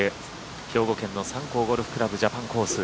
兵庫県の三甲ゴルフ倶楽部ジャパンコース